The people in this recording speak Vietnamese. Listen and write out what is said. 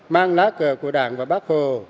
mang lá cờ của đảng và bác hồ